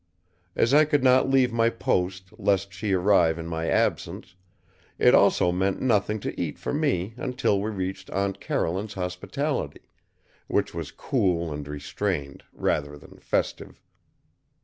As I could not leave my post lest she arrive in my absence, it also meant nothing to eat for me until we reached Aunt Caroline's hospitality; which was cool and restrained rather than festive.